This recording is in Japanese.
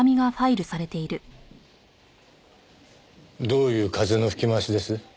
どういう風の吹き回しです？